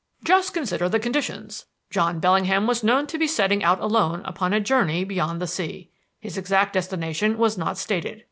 "Just consider the conditions. John Bellingham was known to be setting out alone upon a journey beyond the sea. His exact destination was not stated.